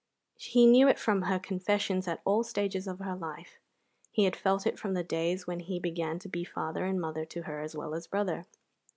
He knew it from her confessions at all stages of her life; he had felt it from the days when he began to be father and mother to her as well as brother.